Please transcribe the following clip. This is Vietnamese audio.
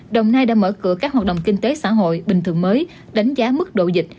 đồng nai đã mở cửa các hoạt động kinh tế xã hội bình thường mới đánh giá mức độ dịch